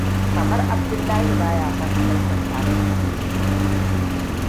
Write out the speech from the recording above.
Kamar Abdullahi baya son halartar taron yammacin yau.